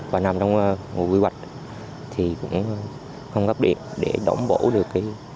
và nằm trong nguồn quy hoạch thì cũng không gấp điện để đổng bổ được